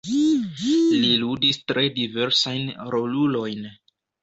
Li ludis tre diversajn rolulojn.